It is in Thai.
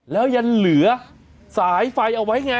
แล้วยังเหลือสายไฟเอาไว้ไง